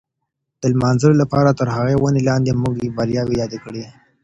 د لمانځلو دپاره تر دغي وني لاندي موږ بریاوې یادې کړې.